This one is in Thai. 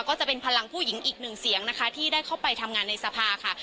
ก็จะเป็นพลังผู้หญิงอีกหนึ่งเสียงนะคะที่ได้เข้าไปทำงานในสภาค่ะ